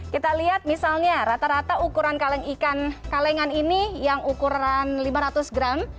kita lihat misalnya rata rata ukuran kaleng ikan kalengan ini yang ukuran lima ratus gram